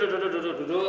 duduk duduk duduk